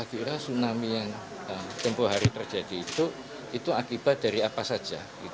tentu saja kalau tsunami yang tempuh hari terjadi itu itu akibat dari apa saja